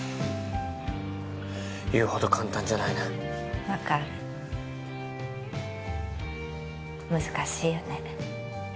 言うほど簡単じゃないな分かる難しいよね